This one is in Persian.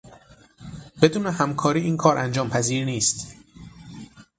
بدون همکاری این کار انجامپذیر نیست.